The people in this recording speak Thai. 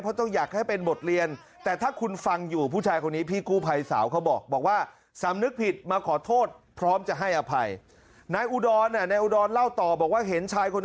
เพราะต้องอยากให้เป็นบทเรียน